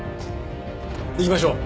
行きましょう。